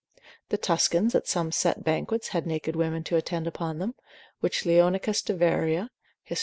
The Tuscans at some set banquets had naked women to attend upon them, which Leonicus de Varia hist.